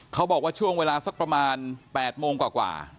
เขาบอกว่าช่วงเวลาสักประมาณ๘โมงกว่า